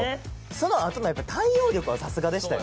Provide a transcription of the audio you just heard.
そのあとのやっぱり対応力はさすがでしたよ。